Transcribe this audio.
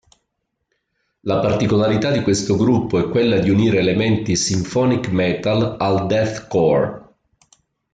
La particolarità di questo gruppo è quella di unire elementi symphonic metal al deathcore.